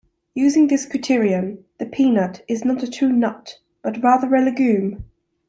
Using this criterion, the peanut is not a true nut, but rather a legume.